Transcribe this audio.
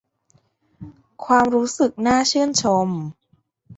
ความรู้สึกน่าชื่นชม